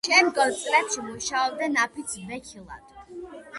შემდგომ წლებში მუშაობდა ნაფიც ვექილად.